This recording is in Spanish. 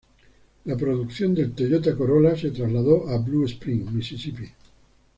La producción del Toyota Corolla se trasladó a Blue Springs, Mississippi.